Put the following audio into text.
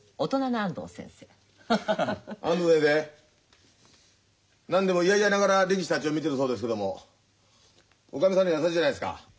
安藤先生なんでもいやいやながら力士たちを診てるそうですけどもおかみさんには優しいじゃないですか。